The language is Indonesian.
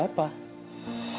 pergi begini juga